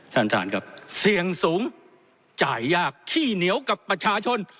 ท่านท่านครับเสี่ยงสูงจ่ายยากขี้เหนียวกับประชาชน